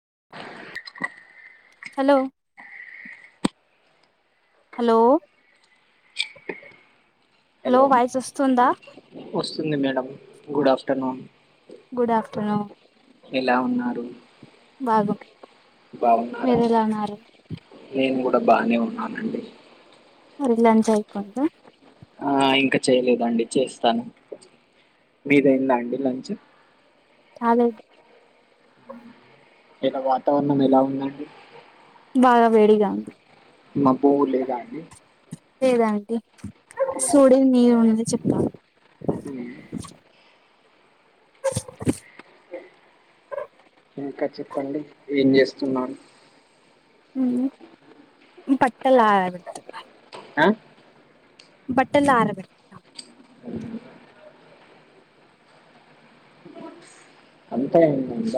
[inaudible] Hello hello hello voice వస్తుందా good afternoon good afternoon ఎలా ఉన్నారు బాగున్ బాగున్నార నేను కూడ బానే ఉన్నానండి సరే లంచ్ అయిపోయిందా ఆ ఇంక చేయలేదండి చేస్తాను మీదైందా అండి లంచ్ కాలె ఇక వాతావరణం ఎలా ఉందండి బాగ వేడిగా ఉంది మాబ్బు లేదా అండి లేదాంటీ సూడిని నీరు ఉన్నది చెప్తాను మ్ ఇంకా చెప్పండి ఏం చేస్తున్నారు ఉమ్ బట్టలారబెట్టటం అ బట్టలారబెట్టటం అంతా ఏ అంత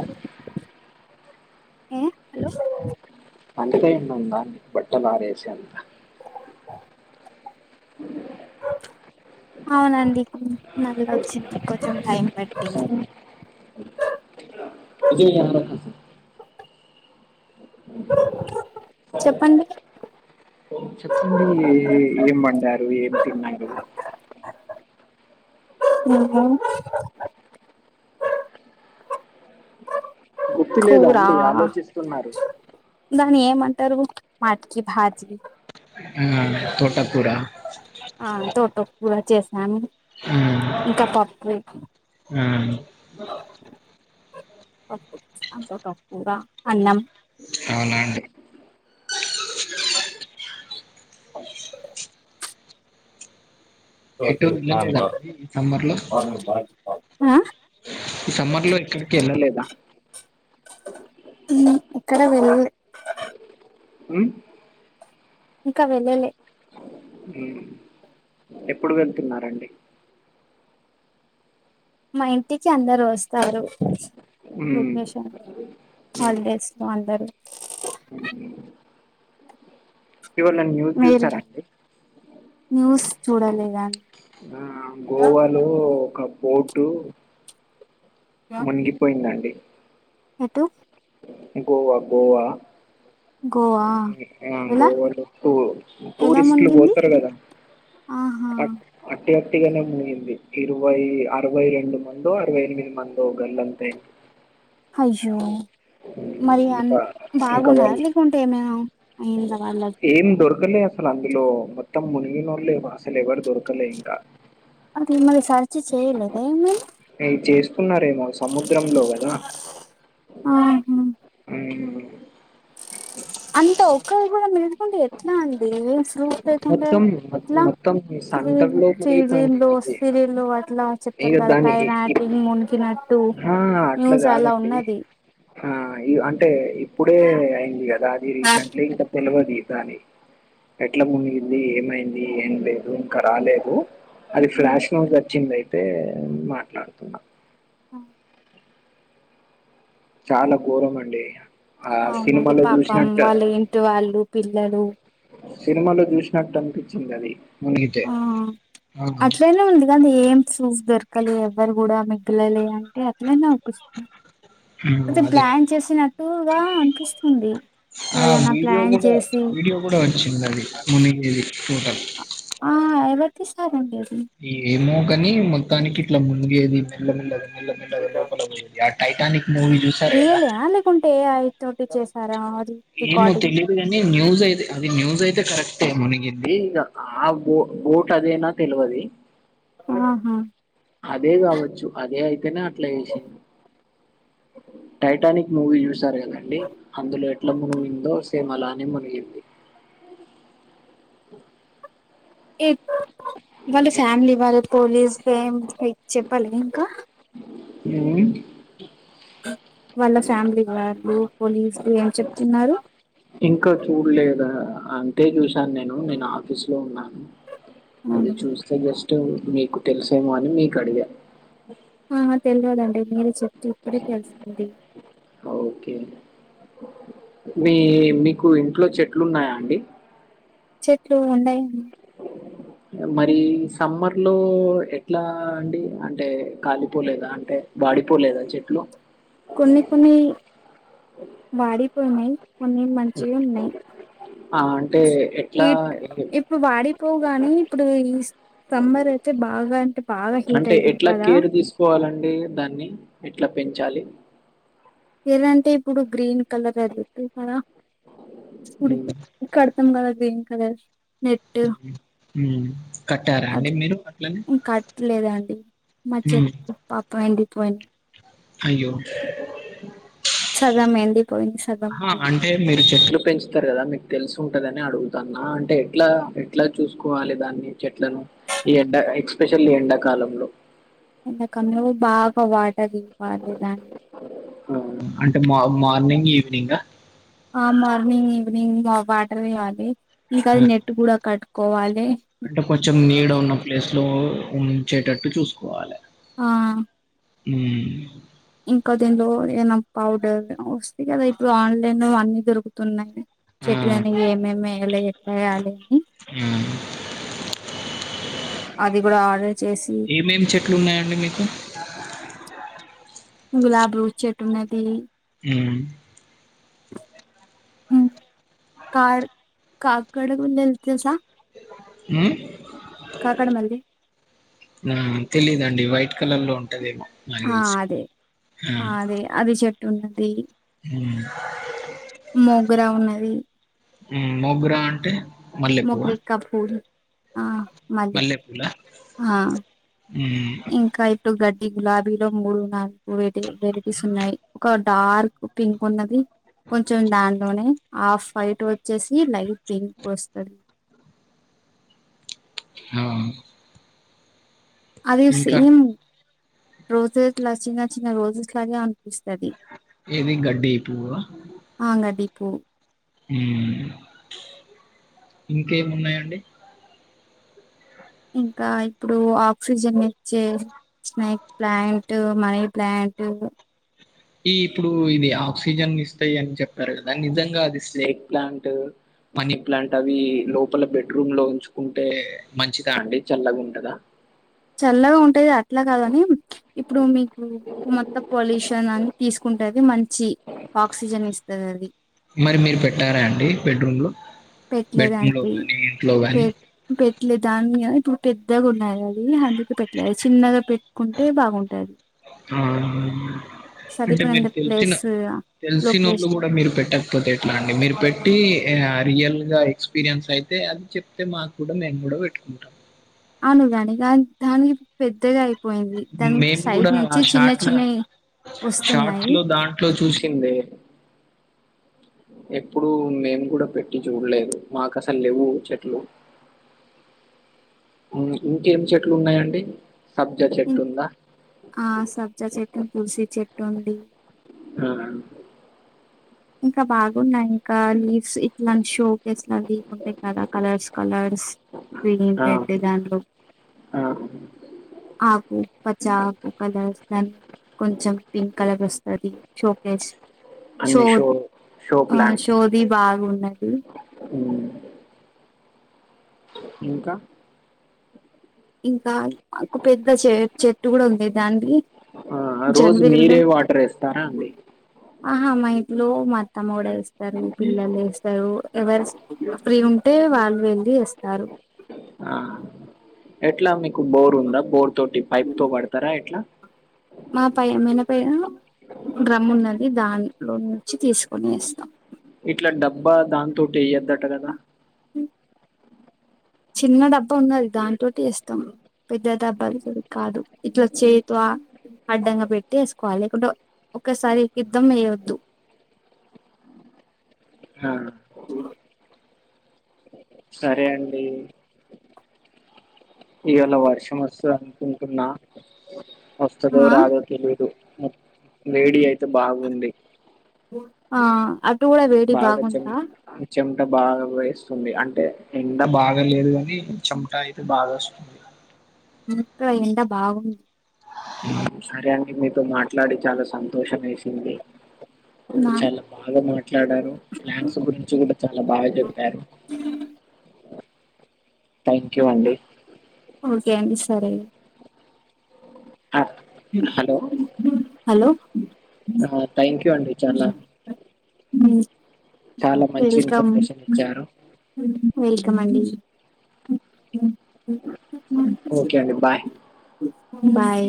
ఉ హెలో అంత టైమ్ ఉంద బట్టలారేసె అంత [inaudible] [inaudible] అవునండి నల్ వచ్చింది కొంచం టైం పెట్టింది ఇది నంబర్ చెప్పండి చెప్పండి ఏం వండారు ఏం తిన్నారు ఆహా గుర్తు లేదా కూర అండి ఆలోచిస్తున్నారు దాన్ని ఏమంటారు మటికి భాజీ ఆ తోట ఆ తోట కూర చేసాను ఆ ఇంకా పప్పు ఆ పప్పు తోటకూర అన్నం అవునా అండి ఎటు వెళ్ళలేదా అండి ఈ సమ్మర్ లో ఆహ్ ఈ సమ్మర్ లో ఎక్కడికి వెళ్ళలేదా ఇక్కడ వెళ్ళ లె ఉమ్ ఇంకా వెళ్ళలే ఉమ్ ఎప్పుడు వెళ్తున్నారంండి మా ఇంటికి అందరు వస్తారు ఉమ్ వెకేషన్ ఉమ్ హాలిడేస్ లో అందరు ఇవళ న్యూస్ మీరు చూస్తారా అండి న్యూస్ చూడలేదను ఆ గోవాలో ఒక బోర్టు మునిగిపోయిందండి తూ గోవా గోవా గోవా ఉమ్ ఆ ఎలా గోవాలో టూ ఎలా టూరిస్టులు మునిగింది పోతారు కదా ఆహా అ అ అట్టి గట్టిగానే మునిగింది ఇరవై అరవై రెండు మందో అరవై ఎనిమిది మందో గల్లంతు అయిన్రు అయ్యో మరి అ ఇంకా ఇంకా బాగున్నారా వాళ్ళు లేకుంటే ఏమైనా అయిందా వాళ్ళకి ఎవరు లేరు అసలు అందులో మొత్తం మునిగినోళ్ళె అసలు ఎవరు దొరకలే ఇంకా అది మరి సర్చ్ చేయలేదా ఏమైనా ట్రై చేస్త చూసున్నారేమో సముద్రంలో కదా ఆహా ఉమ్ అంత ఒక్కరు కూడా మిగలే ఎట్లా అండి అసలు ఫూయి మొత్తం ఎట్లా మొత్తం సెంటర్ లో మునిగిపోయింది [unintelligible] కదా అది సిరియలో అట్లా చెప్తారు ఇక కదా టై దానికి టింగ్ మునిగినట్టు ఆ, అట్లా న్యూస్ అలా కాదండి ఉన్నా అదే ఆ అంటే ఇప్పుడే అయింది కదా అది రీసెంట్లీ ఇంకా తెలవదు దాని ఎట్లా మునిగింది ఏమైంది ఏం లేదు ఇంకా రాలేదు అది ఫ్లాష్ న్యూస్ వచ్చిందయితే మాట్లాడుతున్నా ఆ చాలా ఘోరం అండి ఇక అవునండి పాపం వాళ్ళు ఏంటి వాళ్ళు పిల్లలు సినిమాలో చూసినట్టు అనిపించింది అది మునిగితే ఆ ఆ ఆ అట్లనే ఉంది కానీ ఏం ఫూఫ్ దొరకాలే ఎవ్వరు కూడా మిగిలలే అంటే అట్లనే అనిపిస్తుంది. అయితే అదే అదే ప్లాన్ చేసినట్టుగా అనిపిస్తుంది ఆ ఎవరైనా వీడియో ప్లాన్ కూడా చేసి వీడియో కూడా వచ్చింది అది మునిగేది టోటల్ ఆ ఎవరు తీసా రండి అస ఏమో కాని మొత్తానికి ఇట్లా మునిగేది మెల్ల మెల్లగ మెల్ల మెల్లగ లోపల పోయేది టైటానిక్ మూవీ చూసారు కదా రియాల్ అ లేకుంటే ఏఐ తోటి చేసారా అది ఏమో రికార్డింగ్ తెలీదు కానీ న్యూస్ అయితే అది న్యూస్ అయితే కరెక్టే మునిగింది ఇక ఆ బో బోట్ అదేనా తెలవది ఆహా అదే కావచ్చు అదే అయితేనే అట్లా చేసింది టైటానిక్ మూవీ చూసారుగా అండి అందులో ఎట్లా మునిగిందో సేమ్ అలానే మునిగింది ఎం వాళ్ళ ఫ్యామిలీ వాళ్ళ పోలీస్ ఫేమ్ హె చెప్పాలి గా ఇంకా ఉమ్ వాళ్ళ ఫ్యామిలీ వాళ్లు పోలీసులు ఏం చెప్తున్నారు ఇంకా చూడలేదా అంతే చూసాను నేను నేను ఆఫీస్ లో ఉన్నాను అది చూస్తే జస్ట్ మీకు తెలిసేమో అని మీకు అడిగా ఆహ తెలవదండి మీరు చెప్పితే ఇప్పుడే తెలిసింది. ఓకే మీ మీకు ఇంట్లో చెట్లున్నాయా అండి? చెట్లు ఉన్నాయ్ మరి సమ్మర్ లో ఎట్లా అండి అంటే కాలిపోలేదా అంటే వ పడిపోలేదా చెట్లు కొన్ని కొన్ని వాడిపోయినాయి. కొన్ని మంచివి ఉన్నాయి ఆన్ హీట్ ఇప్పుడు వాడిపోవు గాని ఇప్పుడు ఈ సమ్మర్ అయితే బాగా అంటే బాగా హీట్ అంటే అయింది ఎట్లా కదా కేర్ తీసుకోవాలండి దాన్ని ఎట్లా పెంచాలి? ఏదంటే ఇప్పుడు గ్రీన్ కలర్ అది అదేనా పుడిక ఉమ్. ఇక్కడ తామ్ కలర్ గ్రీన్ కలర్స్ నెట్టు హ్మ్ కట్టారా అండి అది మీరు అట్లనే ఇంకట్టలేదాండి మా చే హ్మ్ పాప ఎంటిడి పోయిన అయ్యో సగం ఎండిపోయింది సగం ఆ అంటే మీరు చెట్లు పెంచు తారు కదా మీకు తెలిసు ఉంటదని అడుగుతాన్నా అంటే ఎట్లా ఎట్లా చూసుకోవాలి దాన్ని చెట్లను? ఈ ఎండ ఎక్స్పెషల్ ఎండాకాలంలో ఎందుకన్ను బాగా వాట తీ ఇవ్వాలి దాన్ని అ అంటే మా మార్నింగ్, ఈవినింగ ఆ మార్నింగ్, ఈవినింగ్ వాటర్ ఇవ్వాలి ఇంకా అది హ్మ్. నెట్ కూడా కట్టుకోవాలే అంటే కొంచెం నీడ ఉన్న ప్లేస్ లో ఉంచేటట్టు చూసుకోవాలే ఆ మ్ ఇంకా దీనిలో ఏనా పౌడర్ వస్తాయ్ కదా ఇప్పుడు ఆన్లైన్ లో అన్నీ దొరుకుతున్నాయి. ఆ చెట్లు అనే ఏమేమి వేయ్యాలి, ఎట్లా వెయాలి అని మ్ అది కూడా ఆర్డర్ చేసి ఏమేమి చెట్లు ఉన్నాయండి మీకు? గులాబ్ లు చెట్టు ఉన్నది మ్ కాడ్ కాక్కడకు గున్ తె తెల్సా ఉమ్ మల్లి మ్ తెలీదుండి వైట్ కలర్ లో ఉంటదో ఏమో ఆ అదే అ అదే అది చె టున్నది హ్మ్ మోగ్రా ఉన్నది మ్ మొగ్రా అంటే? మల్లెపువ్వ మొగరికా ఫూల్ ఆ మల్లెపూ మల్లెపూల ఆ హ్మ్ ఇంకా ఇప్పుడు గడ్డి గులాబీలో మూడు, నాలుగు వె వెరైటీస్ ఉన్నాయి. ఒక డార్క్ పింక్ ఉన్నది కొంచెం దాంట్లోనే ఆఫ్ పైట్ వచ్చేసి లైట్ పింక్ వస్తది. ఆ అది ఇంకా సేమ్ రోజెస్ లా చిన్న చిన్న రోజెస్ లాగే ఉ స్తది ఏది గడ్డి పువ్వ ఆంగ డిపూ హ్మ్మ్ ఇంకేమున్నాయండి ఇంకా ఇప్పుడు ఆక్సిజన్ ఇచ్చే స్నేక్ ప్లాంట్ మనీ ప్లాంట్ ఈ ఇప్పుడు ఇది ఆక్సిజన్ ఇస్తాయి అని చెప్పారు కదా నిజంగా అది స్నేక్ ప్లాంట్ మనీ ప్లాంట్ అవి లోపల బెడ్రూమ్ లో ఉంచుకుంటే మంచిదా అండి చల్లగా ఉంటదా చల్లగా ఉంటాది అట్లా కాదు కానీ ఇప్పుడు మీకు మొత్తం పొల్యూషన్ అని తీసుకుంటది మంచి ఆక్సిజన్ ఇస్తది అది మరి మీరు పెట్టారా అండి బెడ్రూమ్ లో బెడ్రూమ్ లో పెట్టలేదండి గానీ ఇంట్లో పే గాని పే పెట్లేదు దాన్ని ఇప్పుడు పెద్దగా ఉన్నది అది అందుకు పెట్టలేదు చిన్నగా పెట్టుకుంటే బాగుంటాది ఆ అంటే మీరు సరిపోనంత తెలిసిన ప్లేస్ తెలిసినోళ్ళు లొకేషన్ కూడా మీరు పెట్టకపోతే ఎట్లా అండి మీరు పెట్టి యా రియల్ గా ఎక్స్పీరియన్స్ అయితే అది చెప్తే మాకు కూడా మేము కూడా పెట్టుకుంటాం అను కాని దానికి పెద్దగా అయిపోయింది దాని సైడ్ నుంచి చిన్న చిన్న షార్ట్స్లో దాంట్లో చూసిందే ఎప్పుడు మేము కూడా పెట్టి చూడలేదు మాకు అసలు లేవు చెట్లు ఇంకేమి చెట్లు ఉన్నాయండి సబ్జా ఇ చెట్టు ఉందా ఆ సబ్జా చెట్టు తులసి చెట్టు అండి ఆ ఇంకా బాగున్నాయి ఇంకా లీవ్స్ ఇట్లా షోకేస్ లా అవి ఉంటాయి కదా కలర్స్ కలర్స్ క్రీమ్ ఆ, పెట్టే దాంట్లో ఆ ఆకు పచ్చఆకు కలర్స్ దాని కొంచెం పింక్ కలర్ వస్తది షోకేజ్ అన్నిషో ఆ షోది బాగున్నది ఉ ఇంకా ఇంకా మాకు పెద్ద చె చెట్టు కూడా ఉండేది దాని [unintelligible] స్తారా అండి ఆహా మా ఇంట్లో మా అత్తమ్మ కూడా వేస్తారు పిల్లలు వేస్తారు ఎవరు ఫ్రీ ఉంటే వాళ్ళు వెళ్ళి వేస్తారు ఆ ఎట్లా మీకు బోర్ ఉందా బోర్ తోటి పైప్ తో పడతారా ఎట్లా మా పై మేనపైన లోన్ నుంచి తీసుకు ఇట్లా డబ్బా దాంతోటి వేయ్యద్దట కదా చిన్న డబ్బా ఉన్నది దాంతోటి వేస్తాం పెద్ద డబ్బలు సరి కాదు ఇట్లా చేయ త అడ్డంగా పెట్టి వేసుకోవాలి లేకుంటే ఒకసారి [unintelligible] వేయొద్దు ఆ సరే అండి ఇయలా వర్షం వస్తది అనుకుంటున్న ఆ వస్తదో రాదో తెలీదు వేడి అయితే బాగుంది ఆ అటు కూడా వేడి బాగుందా ఎ బాగా పోయి వస్తుంది అంటే ఎండ బాగా లేదు కానీ చెమటా అయితే బాగా వస్తుంది అంట ఎండా బాగుంది సరే అండి మీతో మాట్లాడి చాలా సంతోషం వేసింది నా చాలా బాగా మాట్లాడారు ప్లాన్స్ గురించి కూడా చాలా బాగా చెప్పారు థ్యాంక్ యూ అండి ఓకే అండి సరే హలో హలో ఆ థ్యాంక్ యూ అండి చాలా చాలా మంచి వెల్కమ్ ఇన్ఫర్మేషన్ ఇచ్చారు వెల్ మండి ఓకే అండి బాయ్ బాయ్